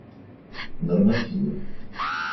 Нормативы